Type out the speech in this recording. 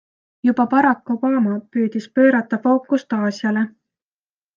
Juba Barack Obama püüdis pöörata fookust Aasiale.